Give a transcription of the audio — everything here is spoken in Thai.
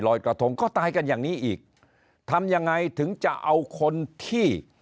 กระทงก็ตายกันอย่างนี้อีกทำยังไงถึงจะเอาคนที่